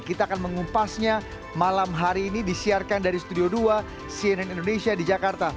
kita akan mengupasnya malam hari ini disiarkan dari studio dua cnn indonesia di jakarta